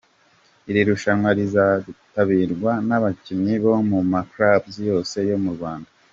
Iri rushanwa rizitabirwa n'abakinnyi bo mu ma clubs yose yo mu Rwanda.